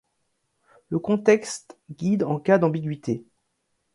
Le contexte guide en cas d'ambiguïté.